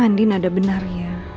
andi nada benar ya